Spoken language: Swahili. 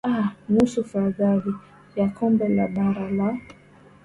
aa nusu fainali ya kombe la bara la